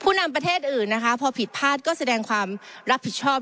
นำประเทศอื่นนะคะพอผิดพลาดก็แสดงความรับผิดชอบ